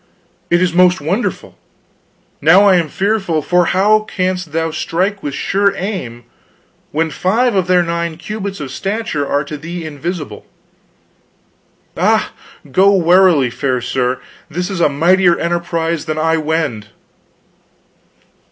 It is most wonderful. Now am I fearful; for how canst thou strike with sure aim when five of their nine cubits of stature are to thee invisible? Ah, go warily, fair sir; this is a mightier emprise than I wend."